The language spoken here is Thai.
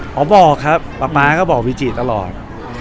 พ่อบอกครับป๊าก็บอกวิจิตร์ตลอด